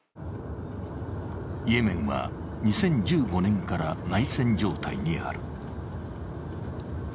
イエメンは２０１５年から内戦状態にある。